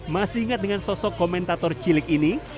masih ingat dengan sosok komentator cilik ini